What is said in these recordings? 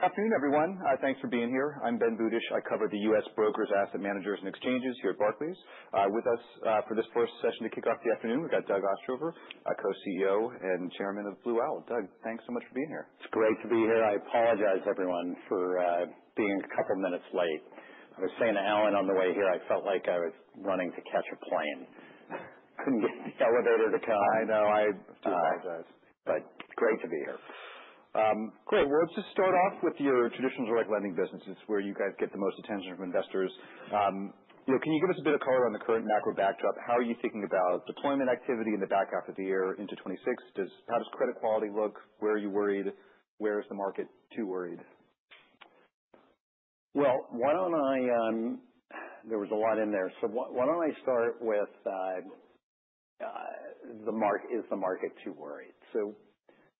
Good afternoon, everyone. Thanks for being here. I'm Ben Budish. I cover the U.S. brokers, asset managers, and exchanges here at Barclays. With us for this first session to kick off the afternoon, we've got Doug Ostrover, Co-CEO and Chairman of Blue Owl. Doug, thanks so much for being here. It's great to be here. I apologize, everyone, for being a couple of minutes late. I was saying to Alan on the way here, I felt like I was running to catch a plane. I couldn't get the elevator to come. I know. I do apologize. Great to be here. Great, well, let's just start off with your traditional direct lending business, where you guys get the most attention from investors. Can you give us a bit of color on the current macro backdrop? How are you thinking about deployment activity in the back half of the year into 2026? How does credit quality look? Where are you worried? Where is the market too worried? Well, why don't I, there was a lot in there. So why don't I start with, is the market too worried? So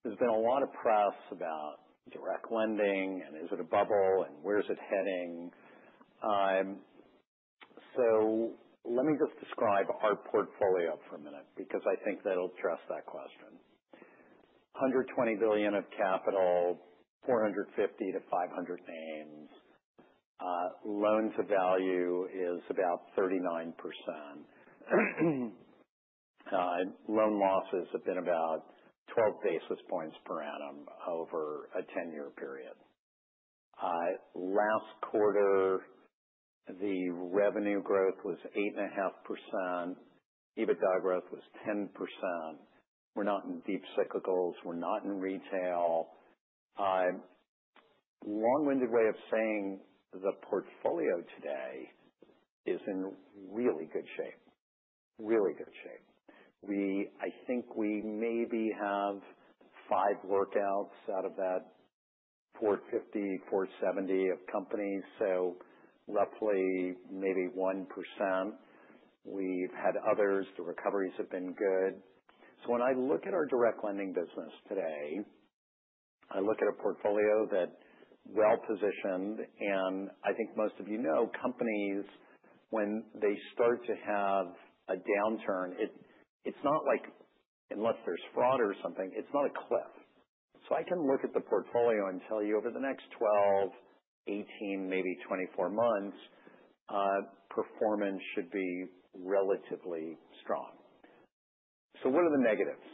there's been a lot of press about direct lending, and is it a bubble, and where is it heading? So let me just describe our portfolio for a minute, because I think that'll address that question. $120 billion of capital, 450 to 500 names. Loan-to-value is about 39%. Loan losses have been about 12 basis points per annum over a 10-year period. Last quarter, the revenue growth was 8.5%. EBITDA growth was 10%. We're not in deep cyclicals. We're not in retail. Long-winded way of saying, the portfolio today is in really good shape. Really good shape. I think we maybe have five workouts out of that 450, 470 of companies, so roughly maybe 1%. We've had others. The recoveries have been good. So when I look at our direct lending business today, I look at a portfolio that's well-positioned, and I think most of you know, companies, when they start to have a downturn, it's not like, unless there's fraud or something, it's not a cliff. So I can look at the portfolio and tell you, over the next 12, 18, maybe 24 months, performance should be relatively strong. So what are the negatives?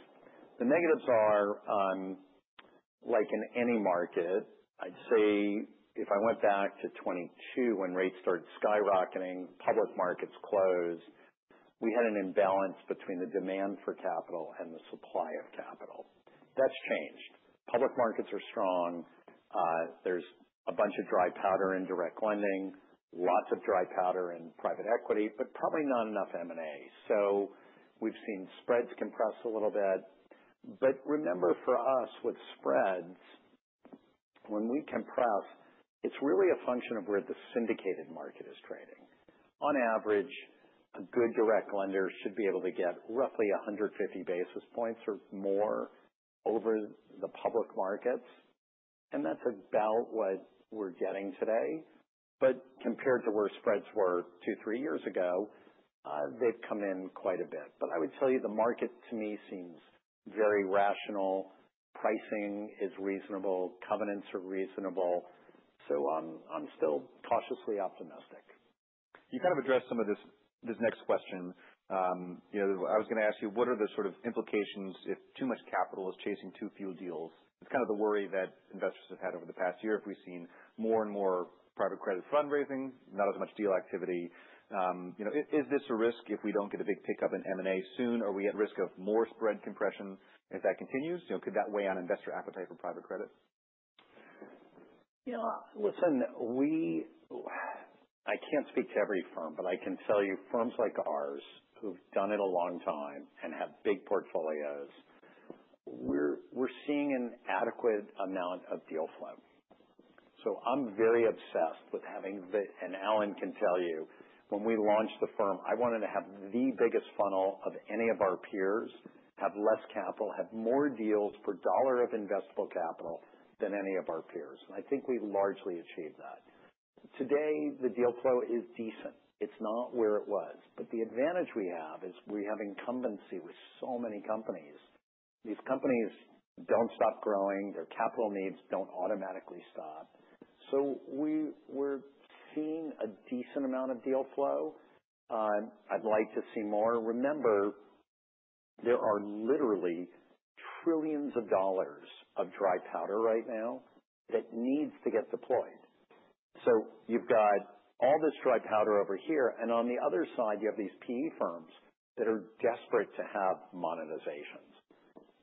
The negatives are, like in any market, I'd say if I went back to 2022 when rates started skyrocketing, public markets closed, we had an imbalance between the demand for capital and the supply of capital. That's changed. Public markets are strong. There's a bunch of dry powder in direct lending, lots of dry powder in private equity, but probably not enough M&A. So we've seen spreads compress a little bit. But remember, for us, with spreads, when we compress, it's really a function of where the syndicated market is trading. On average, a good direct lender should be able to get roughly 150 basis points or more over the public markets. And that's about what we're getting today. But compared to where spreads were two, three years ago, they've come in quite a bit. But I would tell you, the market, to me, seems very rational. Pricing is reasonable. Covenants are reasonable. So I'm still cautiously optimistic. You kind of addressed some of this next question. I was going to ask you, what are the sort of implications if too much capital is chasing too few deals? It's kind of the worry that investors have had over the past year. If we've seen more and more private credit fundraising, not as much deal activity, is this a risk if we don't get a big pickup in M&A soon? Are we at risk of more spread compression? If that continues, could that weigh on investor appetite for private credit? Listen, I can't speak to every firm, but I can tell you firms like ours who've done it a long time and have big portfolios. We're seeing an adequate amount of deal flow. I'm very obsessed with having, and Alan can tell you, when we launched the firm, I wanted to have the biggest funnel of any of our peers, have less capital, have more deals per dollar of investable capital than any of our peers. I think we've largely achieved that. Today, the deal flow is decent. It's not where it was. The advantage we have is we have incumbency with so many companies. These companies don't stop growing. Their capital needs don't automatically stop. We're seeing a decent amount of deal flow. I'd like to see more. Remember, there are literally trillions of dollars of dry powder right now that needs to get deployed. So you've got all this dry powder over here, and on the other side, you have these PE firms that are desperate to have monetizations.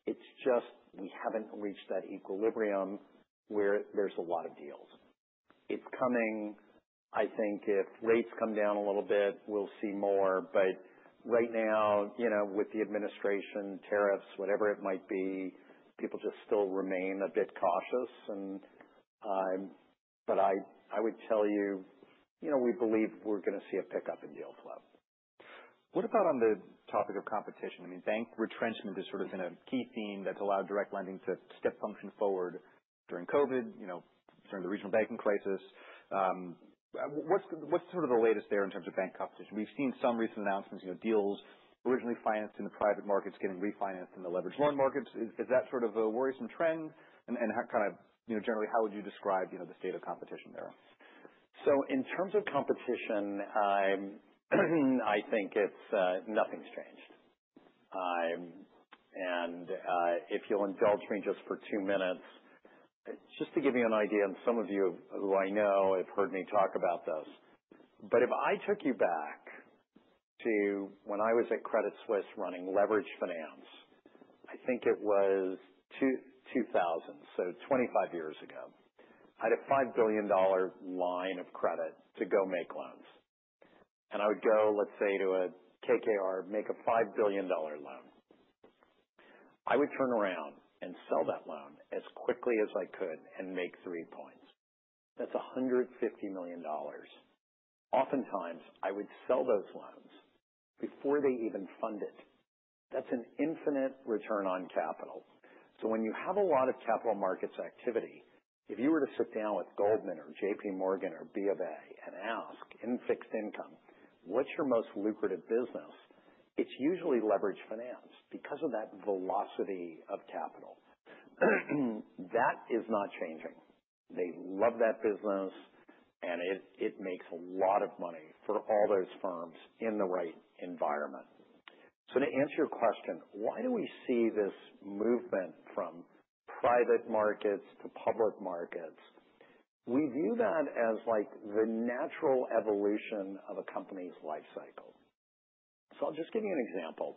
It's just we haven't reached that equilibrium where there's a lot of deals. It's coming, I think, if rates come down a little bit, we'll see more. But right now, with the administration, tariffs, whatever it might be, people just still remain a bit cautious. But I would tell you, we believe we're going to see a pickup in deal flow. What about on the topic of competition? I mean, bank retrenchment is sort of been a key theme that's allowed direct lending to step function forward during COVID, during the regional banking crisis. What's sort of the latest there in terms of bank competition? We've seen some recent announcements, deals originally financed in the private markets getting refinanced in the leveraged loan markets. Is that sort of a worrisome trend? And kind of generally, how would you describe the state of competition there? In terms of competition, I think nothing's changed. And if you'll indulge me just for two minutes, just to give you an idea, and some of you who I know have heard me talk about this, but if I took you back to when I was at Credit Suisse running leveraged finance, I think it was 2000, so 25 years ago, I had a $5 billion line of credit to go make loans. And I would go, let's say, to a KKR, make a $5 billion loan. I would turn around and sell that loan as quickly as I could and make three points. That's $150 million. Oftentimes, I would sell those loans before they even fund it. That's an infinite return on capital. So when you have a lot of capital markets activity, if you were to sit down with Goldman or JP Morgan or B of A and ask in fixed income, "What's your most lucrative business?" it's usually leveraged finance because of that velocity of capital. That is not changing. They love that business, and it makes a lot of money for all those firms in the right environment. So to answer your question, why do we see this movement from private markets to public markets? We view that as the natural evolution of a company's lifecycle. So I'll just give you an example.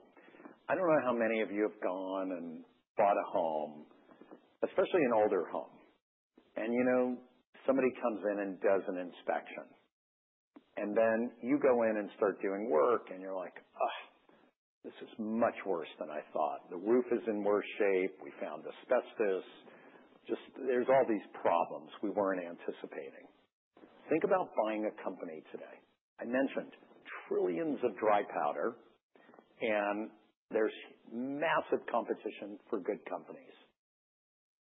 I don't know how many of you have gone and bought a home, especially an older home. And somebody comes in and does an inspection. And then you go in and start doing work, and you're like, "Ugh, this is much worse than I thought. The roof is in worse shape. We found asbestos. There's all these problems we weren't anticipating." Think about buying a company today. I mentioned trillions of dry powder, and there's massive competition for good companies.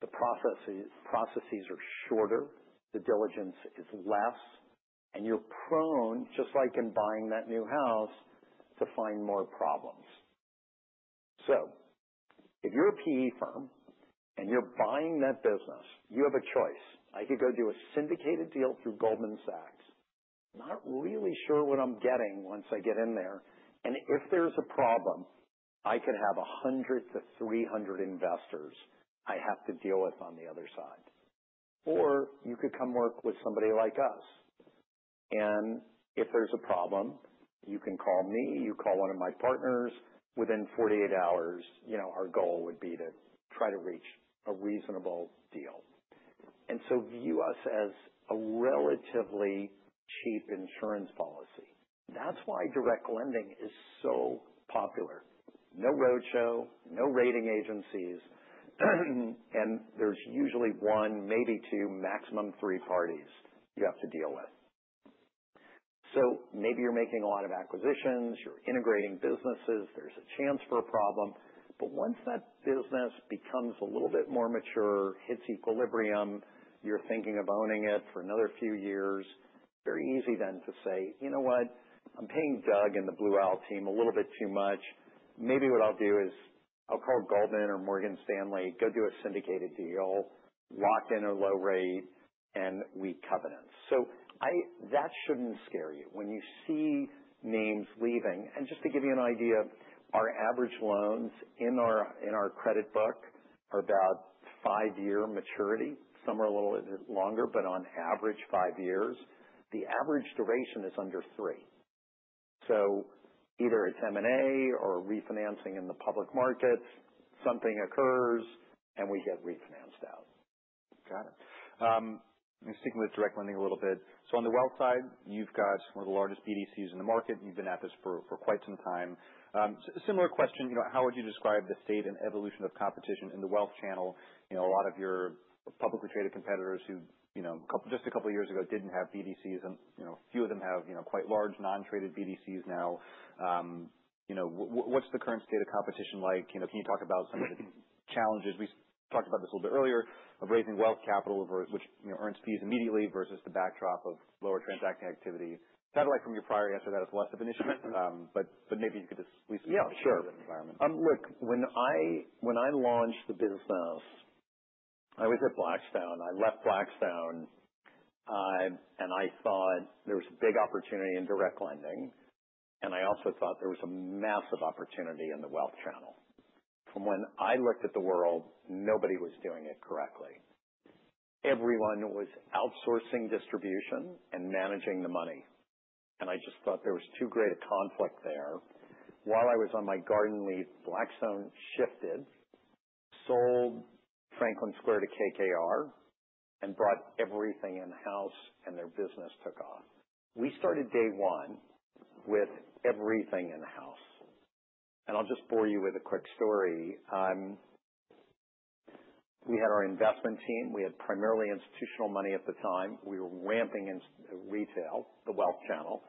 The processes are shorter. The diligence is less, and you're prone, just like in buying that new house, to find more problems, so if you're a PE firm and you're buying that business, you have a choice. I could go do a syndicated deal through Goldman Sachs. Not really sure what I'm getting once I get in there, and if there's a problem, I could have 100 to 300 investors I have to deal with on the other side, or you could come work with somebody like us. And if there's a problem, you can call me. You call one of my partners. Within 48 hours, our goal would be to try to reach a reasonable deal, and so view us as a relatively cheap insurance policy. That's why direct lending is so popular. No roadshow, no rating agencies, and there's usually one, maybe two, maximum three parties you have to deal with. So maybe you're making a lot of acquisitions. You're integrating businesses. There's a chance for a problem. But once that business becomes a little bit more mature, hits equilibrium, you're thinking of owning it for another few years, very easy then to say, "You know what? I'm paying Doug and the Blue Owl team a little bit too much. Maybe what I'll do is I'll call Goldman or Morgan Stanley, go do a syndicated deal, lock in a low rate, and we covenant." So that shouldn't scare you when you see names leaving. And just to give you an idea, our average loans in our credit book are about five-year maturity. Some are a little bit longer, but on average, five years. The average duration is under three. So either it's M&A or refinancing in the public markets. Something occurs, and we get refinanced out. Got it. And sticking with direct lending a little bit, so on the wealth side, you've got one of the largest BDCs in the market. You've been at this for quite some time. Similar question, how would you describe the state and evolution of competition in the wealth channel? A lot of your publicly traded competitors who just a couple of years ago didn't have BDCs, and a few of them have quite large non-traded BDCs now. What's the current state of competition like? Can you talk about some of the challenges? We talked about this a little bit earlier of raising wealth capital, which earns fees immediately versus the backdrop of lower transacting activity. Sounded like from your prior answer, that is less of an issue, but maybe you could just at least speak to the environment. Yeah. Sure. Look, when I launched the business, I was at Blackstone. I left Blackstone, and I thought there was a big opportunity in direct lending. And I also thought there was a massive opportunity in the wealth channel. From when I looked at the world, nobody was doing it correctly. Everyone was outsourcing distribution and managing the money. And I just thought there was too great a conflict there. While I was on my garden leave, Blackstone shifted, sold Franklin Square to KKR, and brought everything in-house, and their business took off. We started day one with everything in-house. And I'll just bore you with a quick story. We had our investment team. We had primarily institutional money at the time. We were ramping retail, the wealth channel.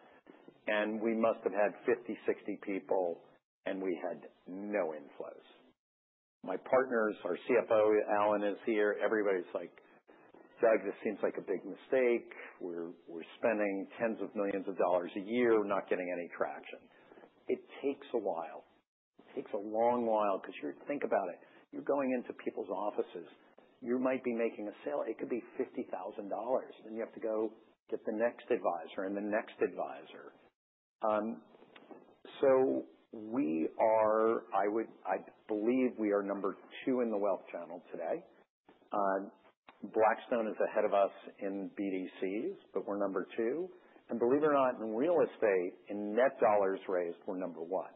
And we must have had 50, 60 people, and we had no inflows. My partners, our CFO, Alan, is here. Everybody's like, "Doug, this seems like a big mistake. We're spending tens of millions of dollars a year. We're not getting any traction." It takes a while. It takes a long while because you think about it. You're going into people's offices. You might be making a sale. It could be $50,000. Then you have to go get the next advisor and the next advisor. So I believe we are number two in the wealth channel today. Blackstone is ahead of us in BDCs, but we're number two. And believe it or not, in real estate, in net dollars raised, we're number one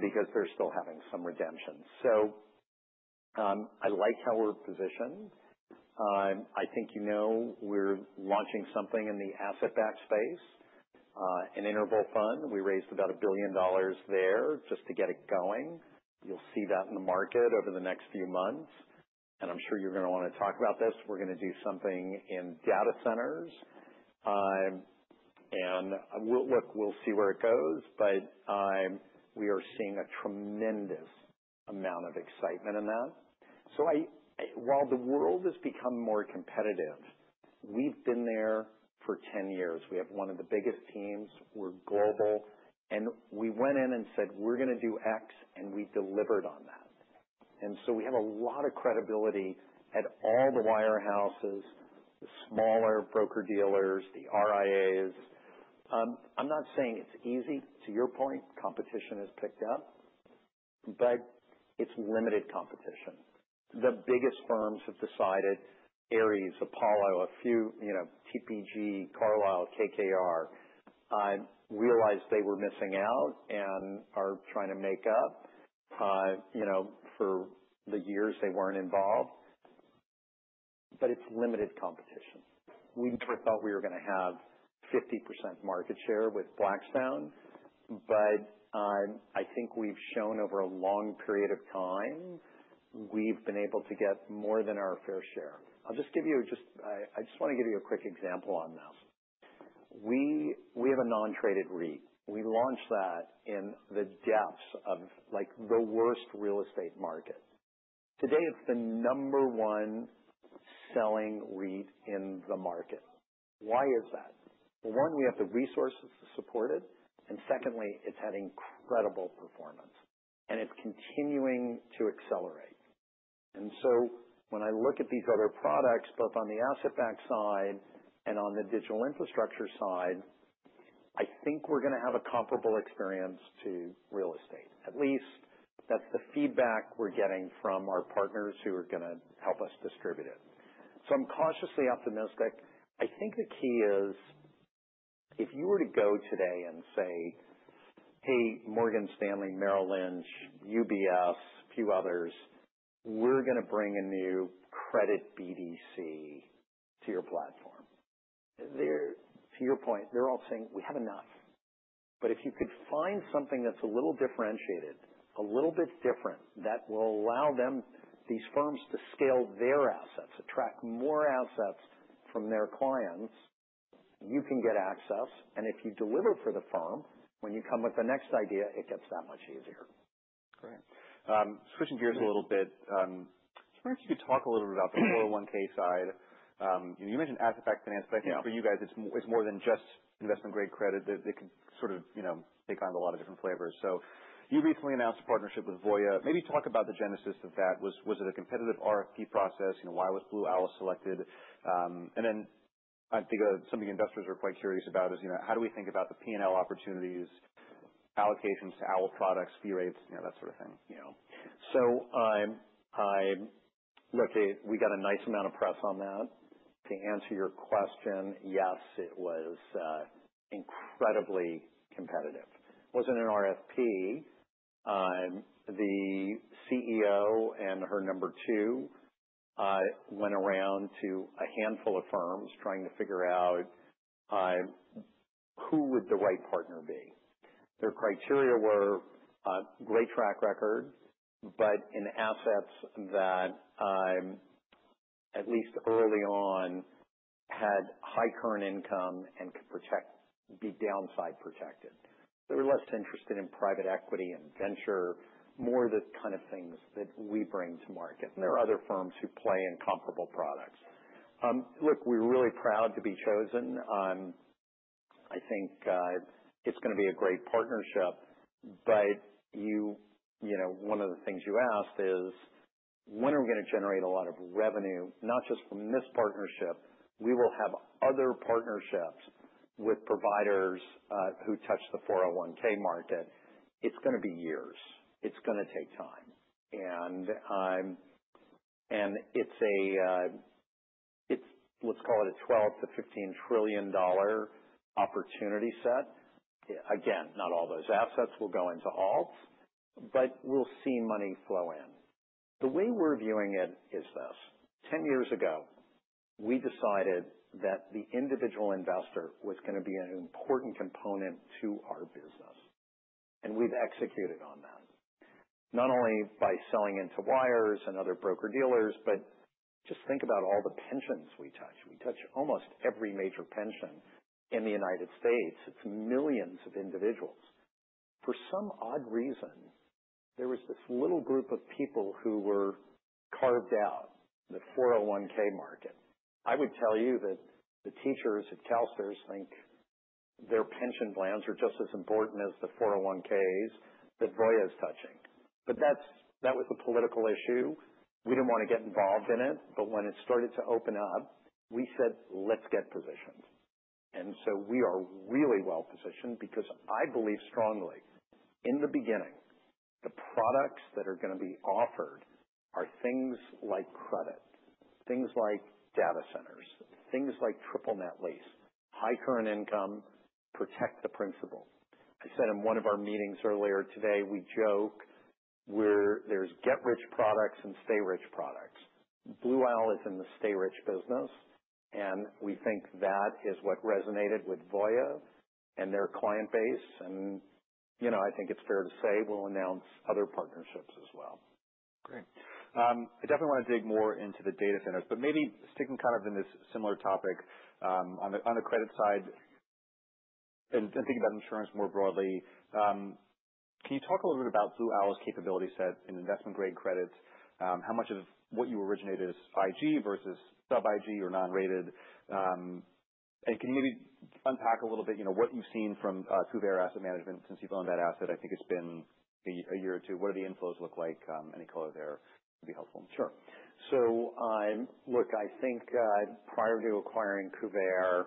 because they're still having some redemption. So I like how we're positioned. I think you know we're launching something in the asset-backed space, an interval fund. We raised about $1 billion there just to get it going. You'll see that in the market over the next few months, and I'm sure you're going to want to talk about this. We're going to do something in data centers, and look, we'll see where it goes, but we are seeing a tremendous amount of excitement in that, so while the world has become more competitive, we've been there for 10 years. We have one of the biggest teams. We're global, and we went in and said, "We're going to do X," and we delivered on that, and so we have a lot of credibility at all the wirehouses, the smaller broker-dealers, the RIAs. I'm not saying it's easy. To your point, competition has picked up, but it's limited competition. The biggest firms have decided, Ares, Apollo, a few, TPG, Carlyle, KKR, realized they were missing out and are trying to make up for the years they weren't involved, but it's limited competition. We never thought we were going to have 50% market share with Blackstone, but I think we've shown over a long period of time we've been able to get more than our fair share. I'll just give you—I just want to give you a quick example on this. We have a non-traded REIT. We launched that in the depths of the worst real estate market. Today, it's the number one selling REIT in the market. Why is that? Well, one, we have the resources to support it, and secondly, it's had incredible performance, and it's continuing to accelerate, and so when I look at these other products, both on the asset-backed side and on the digital infrastructure side, I think we're going to have a comparable experience to real estate. At least that's the feedback we're getting from our partners who are going to help us distribute it. So I'm cautiously optimistic. I think the key is if you were to go today and say, "Hey, Morgan Stanley, Merrill Lynch, UBS, a few others, we're going to bring a new credit BDC to your platform." To your point, they're all saying, "We have enough." But if you could find something that's a little differentiated, a little bit different that will allow these firms to scale their assets, attract more assets from their clients, you can get access. And if you deliver for the firm, when you come with the next idea, it gets that much easier. Great. Switching gears a little bit, I was wondering if you could talk a little bit about the 401(k) side. You mentioned asset-backed finance, but I think for you guys, it's more than just investment-grade credit. It could sort of take on a lot of different flavors. So you recently announced a partnership with Voya. Maybe talk about the genesis of that. Was it a competitive RFP process? Why was Blue Owl selected? And then I think something investors are quite curious about is how do we think about the P&L opportunities, allocations to our products, fee rates, that sort of thing? Yeah. So look, we got a nice amount of press on that. To answer your question, yes, it was incredibly competitive. It wasn't an RFP. The CEO and her number two went around to a handful of firms trying to figure out who would the right partner be. Their criteria were great track record, but in assets that at least early on had high current income and could be downside protected. They were less interested in private equity and venture, more the kind of things that we bring to market. And there are other firms who play in comparable products. Look, we're really proud to be chosen. I think it's going to be a great partnership. But one of the things you asked is, "When are we going to generate a lot of revenue, not just from this partnership? We will have other partnerships with providers who touch the 401(k) market." It's going to be years. It's going to take time. And it's a, let's call it a $12-15 trillion opportunity set. Again, not all those assets will go into alts, but we'll see money flow in. The way we're viewing it is this: 10 years ago, we decided that the individual investor was going to be an important component to our business. And we've executed on that, not only by selling into wires and other broker-dealers, but just think about all the pensions we touch. We touch almost every major pension in the United States. It's millions of individuals. For some odd reason, there was this little group of people who were carved out, the 401(k) market. I would tell you that the teachers at CalSTRS think their pension plans are just as important as the 401(k)s that Voya is touching, but that was a political issue. We didn't want to get involved in it, but when it started to open up, we said, "Let's get positioned," and so we are really well positioned because I believe strongly in the beginning, the products that are going to be offered are things like credit, things like data centers, things like triple net lease, high current income, protect the principal. I said in one of our meetings earlier today, we joke where there's get-rich products and stay-rich products. Blue Owl is in the stay-rich business, and we think that is what resonated with Voya and their client base, and I think it's fair to say we'll announce other partnerships as well. Great. I definitely want to dig more into the data centers. But maybe sticking kind of in this similar topic on the credit side and thinking about insurance more broadly, can you talk a little bit about Blue Owl's capability set in investment-grade credits? How much of what you originated is IG versus sub-IG or non-rated? And can you maybe unpack a little bit what you've seen from Kuvare Asset Management since you've owned that asset? I think it's been a year or two. What do the inflows look like? Any color there would be helpful. Sure, so look, I think prior to acquiring Kuvare,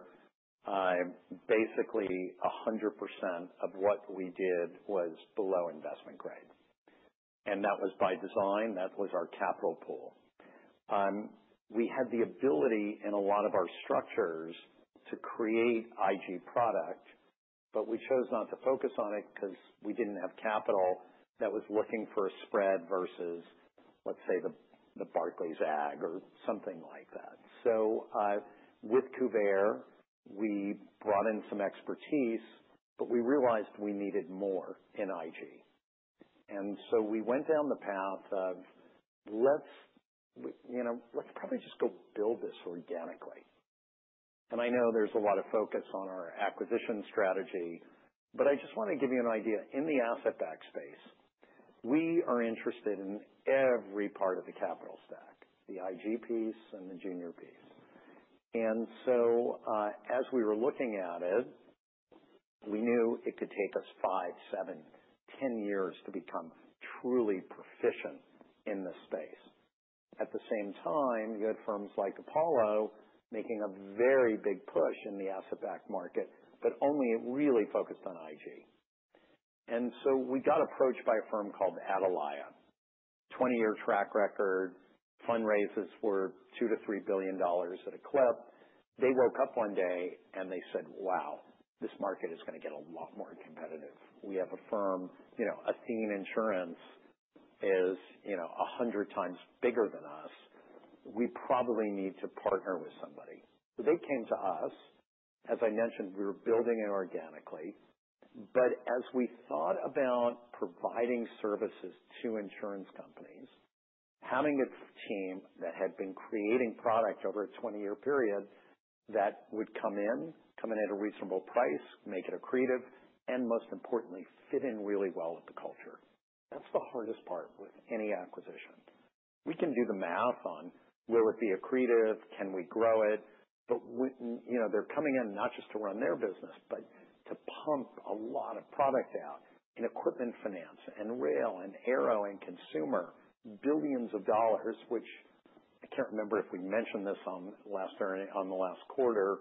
basically 100% of what we did was below investment grade, and that was by design. That was our capital pool. We had the ability in a lot of our structures to create IG product, but we chose not to focus on it because we didn't have capital that was looking for a spread versus, let's say, the Barclays Agg or something like that, so with Kuvare, we brought in some expertise, but we realized we needed more in IG, and so we went down the path of, "Let's probably just go build this organically," and I know there's a lot of focus on our acquisition strategy, but I just want to give you an idea. In the asset-backed space, we are interested in every part of the capital stack, the IG piece and the junior piece. As we were looking at it, we knew it could take us five, seven, 10 years to become truly proficient in this space. At the same time, you had firms like Apollo making a very big push in the asset-backed market, but only it really focused on IG. We got approached by a firm called Atalaya. 20-year track record, fundraisers were $2 billion-$3 billion at a clip. They woke up one day and they said, "Wow, this market is going to get a lot more competitive. We have a firm. Athene is 100 times bigger than us. We probably need to partner with somebody." They came to us. As I mentioned, we were building it organically. But as we thought about providing services to insurance companies, having a team that had been creating product over a 20-year period that would come in at a reasonable price, make it accretive, and most importantly, fit in really well with the culture. That's the hardest part with any acquisition. We can do the math on will it be accretive? Can we grow it? But they're coming in not just to run their business, but to pump a lot of product out in equipment finance and rail and aero and consumer, billions of dollars, which I can't remember if we mentioned this on the last quarter,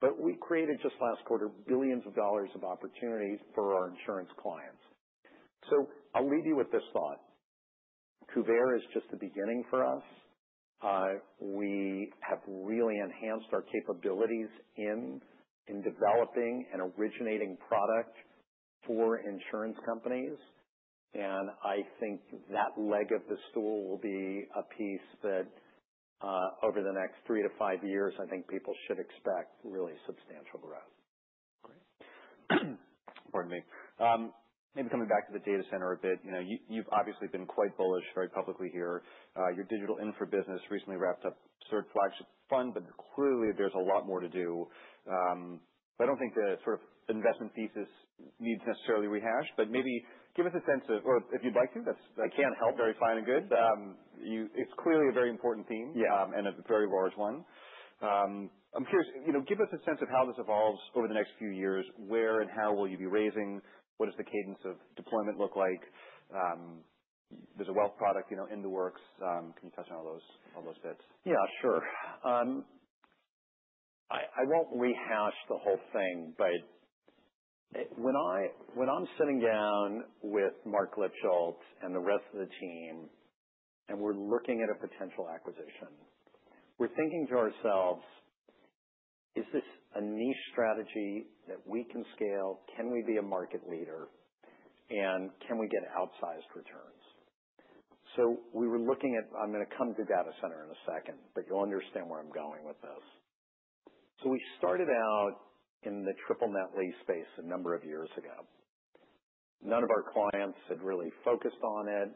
but we created just last quarter billions of dollars of opportunities for our insurance clients. So I'll leave you with this thought. Kuvare is just the beginning for us. We have really enhanced our capabilities in developing and originating product for insurance companies, and I think that leg of the stool will be a piece that over the next three to five years, I think people should expect really substantial growth. Great. Pardon me. Maybe coming back to the data center a bit. You've obviously been quite bullish very publicly here. Your digital infra business recently wrapped up its flagship fund, but clearly there's a lot more to do. I don't think the sort of investment thesis needs necessarily rehashed, but maybe give us a sense of, or if you'd like to, that's. I can't help it. Very fine and good. It's clearly a very important theme and a very large one. I'm curious, give us a sense of how this evolves over the next few years. Where and how will you be raising? What does the cadence of deployment look like? There's a wealth product in the works. Can you touch on all those bits? Yeah, sure. I won't rehash the whole thing, but when I'm sitting down with Marc Lipschultz and the rest of the team and we're looking at a potential acquisition, we're thinking to ourselves, "Is this a niche strategy that we can scale? Can we be a market leader? And can we get outsized returns?" So we were looking at, I'm going to come to data center in a second, but you'll understand where I'm going with this. So we started out in the triple net lease space a number of years ago. None of our clients had really focused on it.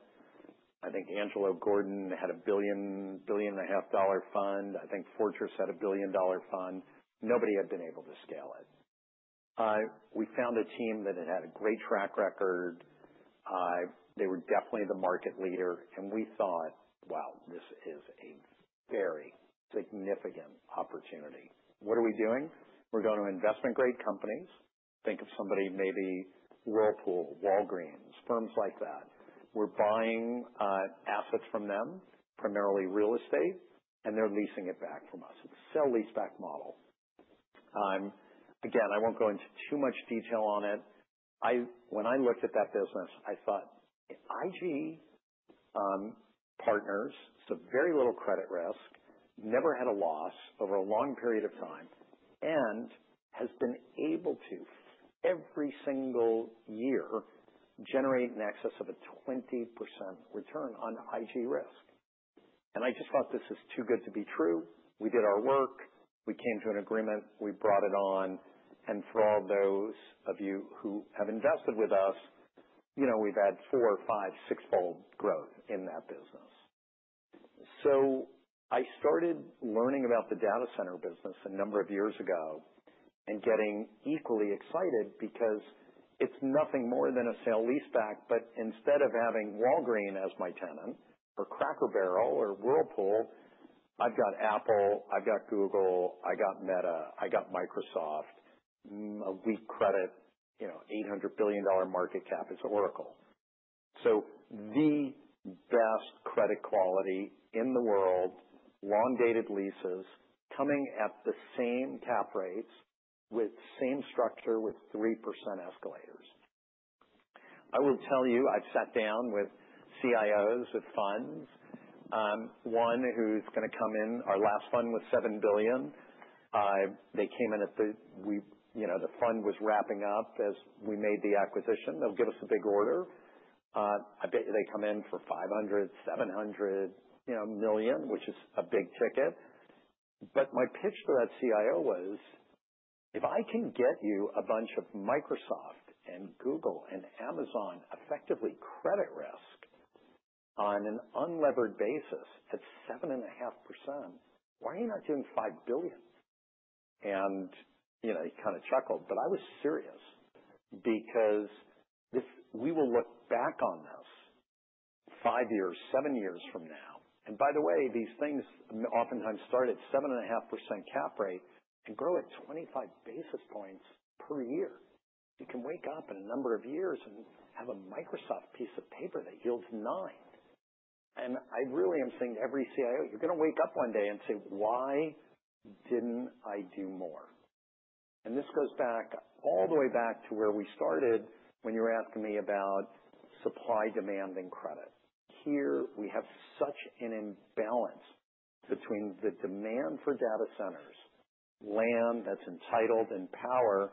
I think Angelo Gordon had a $1-$1.5 billion fund. I think Fortress had a $1 billion fund. Nobody had been able to scale it. We found a team that had had a great track record. They were definitely the market leader. We thought, "Wow, this is a very significant opportunity. What are we doing? We're going to investment-grade companies. Think of somebody maybe Whirlpool, Walgreens, firms like that. We're buying assets from them, primarily real estate, and they're leasing it back from us. It's a sale-leaseback model." Again, I won't go into too much detail on it. When I looked at that business, I thought, "IG partners, so very little credit risk, never had a loss over a long period of time, and has been able to every single year generate an excess of a 20% return on IG risk." I just thought, "This is too good to be true. We did our work. We came to an agreement. We brought it on. And for all those of you who have invested with us, we've had four, five, six-fold growth in that business." So I started learning about the data center business a number of years ago and getting equally excited because it's nothing more than a sale-leaseback. But instead of having Walgreens as my tenant or Cracker Barrel or Whirlpool, I've got Apple. I've got Google. I got Meta. I got Microsoft. No weak credit, $800 billion market cap is Oracle. So the best credit quality in the world, long-dated leases coming at the same cap rates with same structure with 3% escalators. I will tell you, I've sat down with CIOs with funds, one who's going to come in. Our last fund was $7 billion. They came in at the fund was wrapping up as we made the acquisition. They'll give us a big order. I bet you they come in for $500-$700 million, which is a big ticket. But my pitch to that CIO was, "If I can get you a bunch of Microsoft and Google and Amazon effectively credit risk on an unlevered basis at 7.5%, why are you not doing $5 billion?" And he kind of chuckled. But I was serious because we will look back on this five years, seven years from now. And by the way, these things oftentimes start at 7.5% cap rate and grow at 25 basis points per year. You can wake up in a number of years and have a Microsoft piece of paper that yields 9%. I really am seeing every CIO. You're going to wake up one day and say, "Why didn't I do more?" This goes back all the way back to where we started when you were asking me about supply, demand, and credit. Here, we have such an imbalance between the demand for data centers, land that's entitled and power,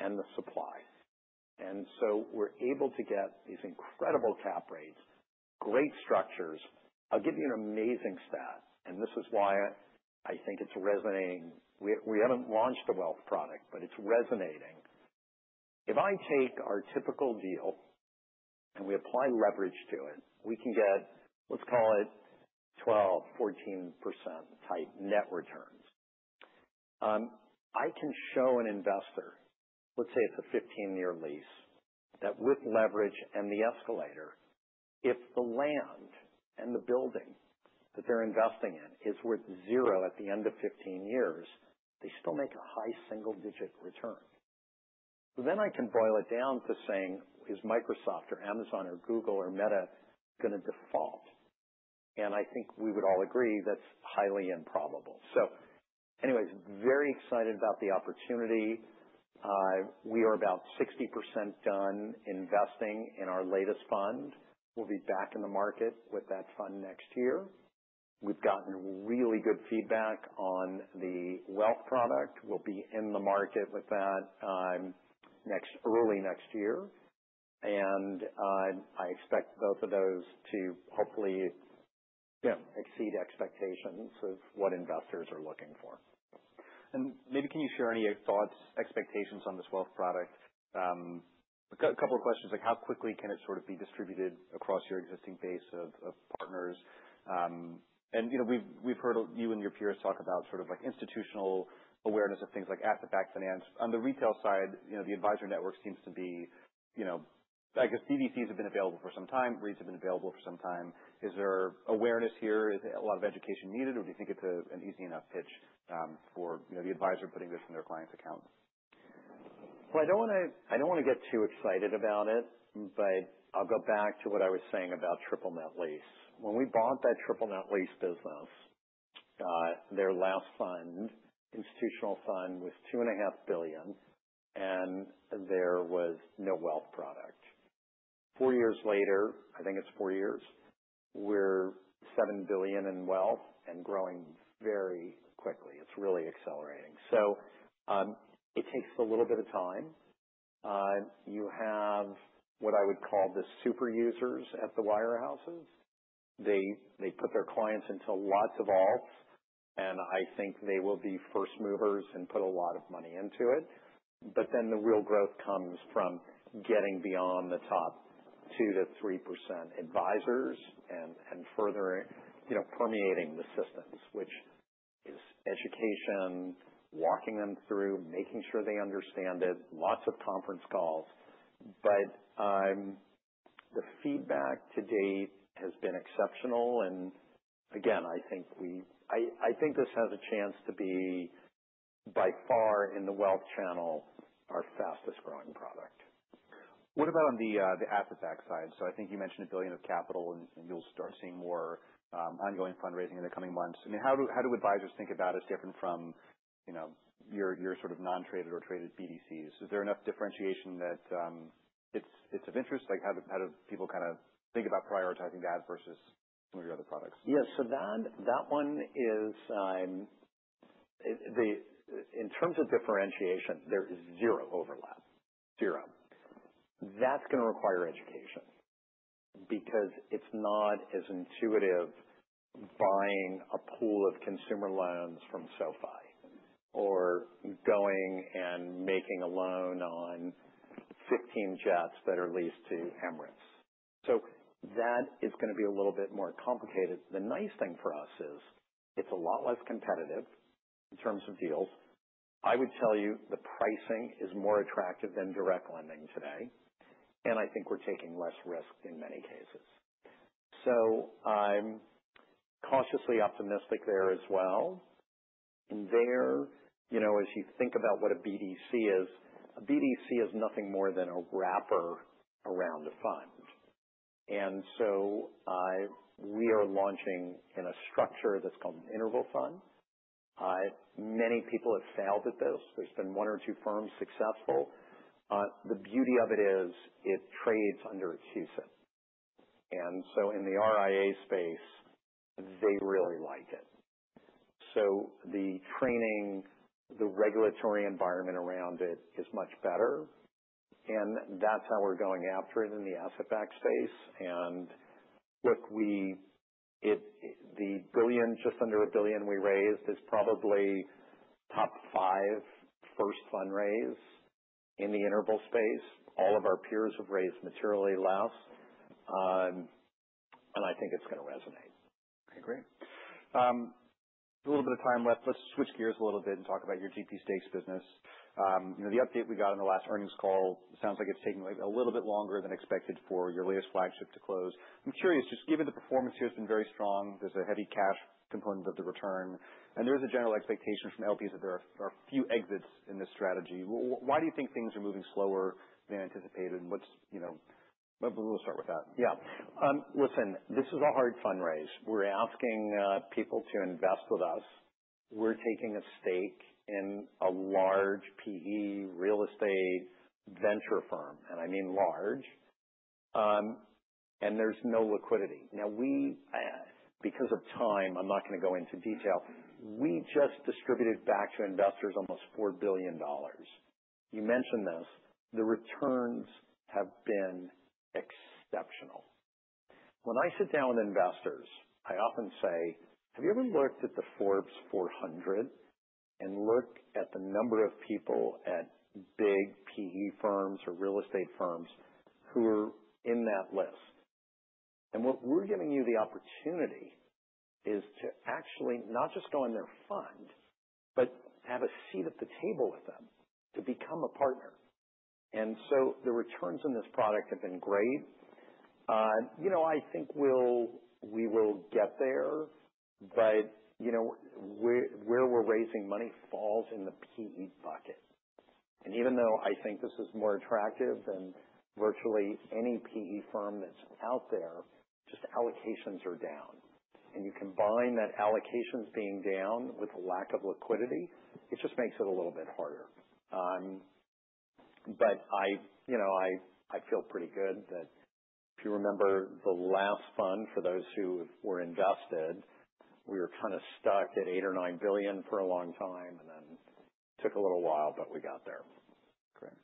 and the supply. And so we're able to get these incredible cap rates, great structures. I'll give you an amazing stat. And this is why I think it's resonating. We haven't launched a wealth product, but it's resonating. If I take our typical deal and we apply leverage to it, we can get, let's call it 12%-14% type net returns. I can show an investor, let's say it's a 15-year lease, that with leverage and the escalator, if the land and the building that they're investing in is worth zero at the end of 15 years, they still make a high single-digit return. Then I can boil it down to saying, "Is Microsoft or Amazon or Google or Meta going to default?" And I think we would all agree that's highly improbable. So anyways, very excited about the opportunity. We are about 60% done investing in our latest fund. We'll be back in the market with that fund next year. We've gotten really good feedback on the wealth product. We'll be in the market with that early next year. And I expect both of those to hopefully exceed expectations of what investors are looking for. Maybe can you share any thoughts, expectations on this wealth product? A couple of questions, like how quickly can it sort of be distributed across your existing base of partners? We've heard you and your peers talk about sort of institutional awareness of things like asset-backed finance. On the retail side, the advisor network seems to be, I guess, BDCs have been available for some time. REITs have been available for some time. Is there awareness here? Is a lot of education needed? Or do you think it's an easy enough pitch for the advisor putting this in their client's account? I don't want to get too excited about it, but I'll go back to what I was saying about Triple Net Lease. When we bought that Triple Net Lease business, their last fund, institutional fund, was $2.5 billion, and there was no wealth product. Four years later, I think it's four years, we're $7 billion in wealth and growing very quickly. It's really accelerating. It takes a little bit of time. You have what I would call the super users at the wirehouses. They put their clients into lots of vaults, and I think they will be first movers and put a lot of money into it. The real growth comes from getting beyond the top 2%-3% advisors and further permeating the systems, which is education, walking them through, making sure they understand it, lots of conference calls. But the feedback to date has been exceptional. And again, I think this has a chance to be by far in the wealth channel our fastest growing product. What about on the asset-backed side? So I think you mentioned a billion of capital, and you'll start seeing more ongoing fundraising in the coming months. I mean, how do advisors think about it different from your sort of non-traded or traded BDCs? Is there enough differentiation that it's of interest? How do people kind of think about prioritizing that versus some of your other products? Yeah. So that one is, in terms of differentiation, there is zero overlap. Zero. That's going to require education because it's not as intuitive buying a pool of consumer loans from SoFi or going and making a loan on 15 jets that are leased to Emirates. So that is going to be a little bit more complicated. The nice thing for us is it's a lot less competitive in terms of deals. I would tell you the pricing is more attractive than direct lending today. And I think we're taking less risk in many cases. So I'm cautiously optimistic there as well. And there, as you think about what a BDC is, a BDC is nothing more than a wrapper around a fund. And so we are launching in a structure that's called an interval fund. Many people have failed at this. There's been one or two firms successful. The beauty of it is it trades under its CUSIP. And so in the RIA space, they really like it. So the trading, the regulatory environment around it is much better. And that's how we're going after it in the asset-backed space. And look, the $1 billion, just under $1 billion we raised is probably top five first fundraise in the interval space. All of our peers have raised materially less. And I think it's going to resonate. Okay. Great. A little bit of time left. Let's switch gears a little bit and talk about your GP stakes business. The update we got on the last earnings call sounds like it's taking a little bit longer than expected for your latest flagship to close. I'm curious, just given the performance here has been very strong. There's a heavy cash component of the return. And there's a general expectation from LPs that there are a few exits in this strategy. Why do you think things are moving slower than anticipated? And we'll start with that. Yeah. Listen, this is a hard fundraise. We're asking people to invest with us. We're taking a stake in a large PE real estate venture firm, and I mean large, and there's no liquidity. Now, because of time, I'm not going to go into detail. We just distributed back to investors almost $4 billion. You mentioned this. The returns have been exceptional. When I sit down with investors, I often say, "Have you ever looked at the Forbes 400 and looked at the number of people at big PE firms or real estate firms who are in that list?", and what we're giving you the opportunity is to actually not just go on their fund, but have a seat at the table with them to become a partner, and so the returns in this product have been great. I think we will get there, but where we're raising money falls in the PE bucket. And even though I think this is more attractive than virtually any PE firm that's out there, just allocations are down. And you combine that allocations being down with a lack of liquidity, it just makes it a little bit harder. But I feel pretty good that if you remember the last fund for those who were invested, we were kind of stuck at $8 or $9 billion for a long time and then took a little while, but we got there. Great.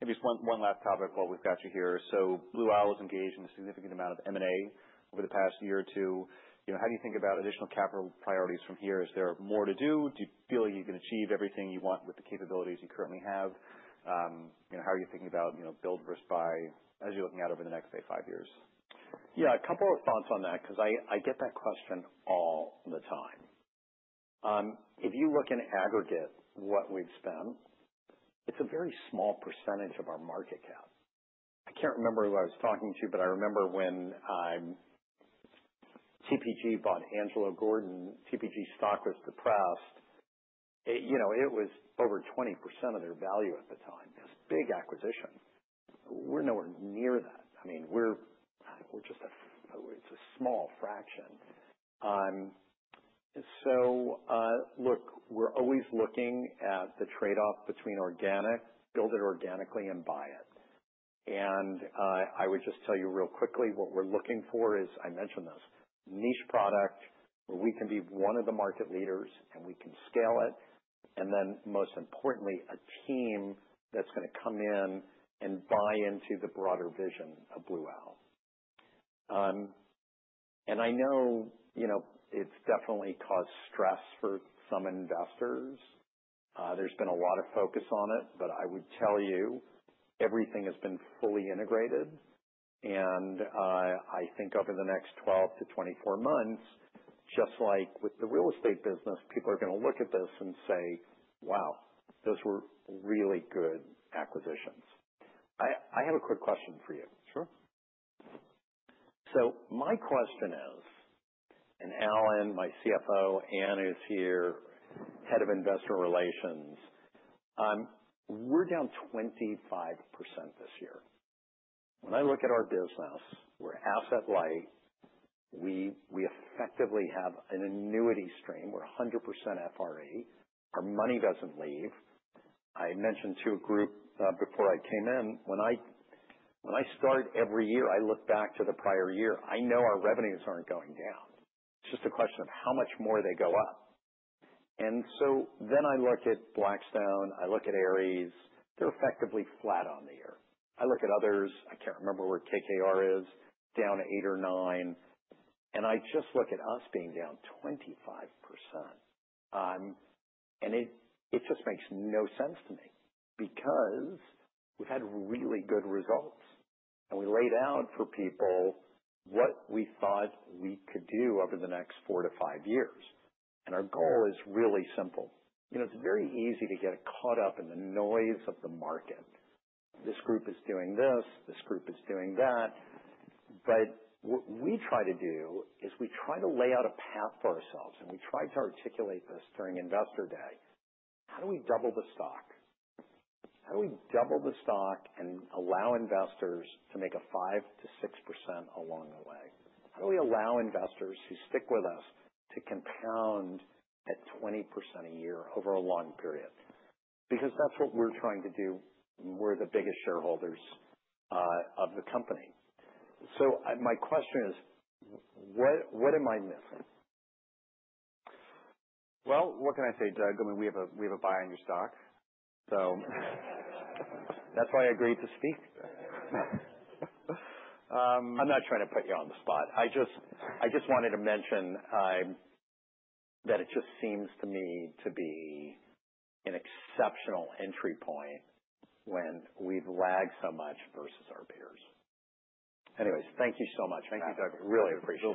Maybe just one last topic while we've got you here. So Blue Owl is engaged in a significant amount of M&A over the past year or two. How do you think about additional capital priorities from here? Is there more to do? Do you feel you can achieve everything you want with the capabilities you currently have? How are you thinking about build, risk, buy as you're looking out over the next, say, five years? Yeah. A couple of thoughts on that because I get that question all the time. If you look in aggregate what we've spent, it's a very small percentage of our market cap. I can't remember who I was talking to, but I remember when TPG bought Angelo Gordon, TPG stock was depressed. It was over 20% of their value at the time. It was a big acquisition. We're nowhere near that. I mean, it's a small fraction. So look, we're always looking at the trade-off between organic, build it organically, and buy it. And I would just tell you real quickly what we're looking for is, I mentioned this, niche product where we can be one of the market leaders and we can scale it. And then most importantly, a team that's going to come in and buy into the broader vision of Blue Owl. And I know it's definitely caused stress for some investors. There's been a lot of focus on it, but I would tell you everything has been fully integrated. And I think over the next 12 to 24 months, just like with the real estate business, people are going to look at this and say, "Wow, those were really good acquisitions." I have a quick question for you. Sure. So my question is, and Alan, my CFO, Ann is here, head of investor relations, we're down 25% this year. When I look at our business, we're asset-light. We effectively have an annuity stream. We're 100% FRE. Our money doesn't leave. I mentioned to a group before I came in, when I start every year, I look back to the prior year, I know our revenues aren't going down. It's just a question of how much more they go up. And so then I look at Blackstone, I look at Ares. They're effectively flat on the year. I look at others. I can't remember where KKR is, down 8% or 9%. And I just look at us being down 25%. And it just makes no sense to me because we've had really good results. We laid out for people what we thought we could do over the next four to five years. Our goal is really simple. It's very easy to get caught up in the noise of the market. This group is doing this. This group is doing that. What we try to do is we try to lay out a path for ourselves. We tried to articulate this during investor day. How do we double the stock? How do we double the stock and allow investors to make a 5%-6% along the way? How do we allow investors who stick with us to compound at 20% a year over a long period? Because that's what we're trying to do. We're the biggest shareholders of the company. My question is, what am I missing? What can I say, Doug? I mean, we have a buy on your stock. So that's why I agreed to speak. I'm not trying to put you on the spot. I just wanted to mention that it just seems to me to be an exceptional entry point when we've lagged so much versus our peers. Anyways, thank you so much. Thank you. Thank you, Doug. Really appreciate it